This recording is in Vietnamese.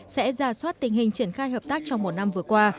sẽ ra soát tình hình triển khai hợp tác trong một năm vừa qua